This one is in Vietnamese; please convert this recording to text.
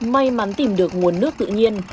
may mắn tìm được nguồn nước tự nhiên